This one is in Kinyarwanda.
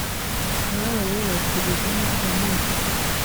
na we rero bwiriza inka mu myuzuro,